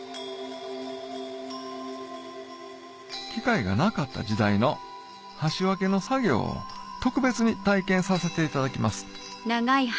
機械がなかった時代の箸分けの作業を特別に体験させていただきます